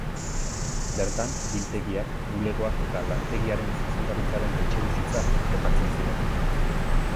Bertan biltegiak, bulegoak eta lantegiaren zuzendaritzaren etxebizitza kokatzen ziren.